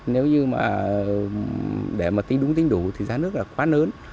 nếu như để tính đúng tính đủ thì giá nước là quá lớn